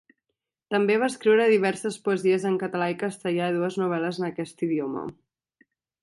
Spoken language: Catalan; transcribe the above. També va escriure diverses poesies en català i castellà i dues novel·les en aquest idioma.